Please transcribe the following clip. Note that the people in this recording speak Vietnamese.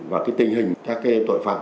và cái tình hình các tội phạm